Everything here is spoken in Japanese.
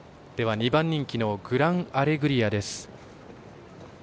２番人気のグランアレグリアです。